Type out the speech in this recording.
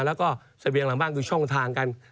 และสะเบียงหลังกลางเป็นช่องทางกัน